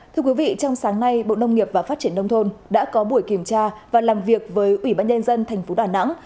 thưa quý vị trong sáng nay bộ nông nghiệp và phát triển nông thôn đã có buổi kiểm tra và làm việc với ủy ban nhân dân thành phố đà nẵng